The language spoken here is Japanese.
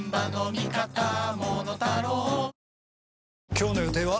今日の予定は？